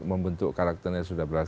membentuk karakternya sudah jelas